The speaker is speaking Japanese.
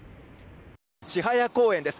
千早公園です。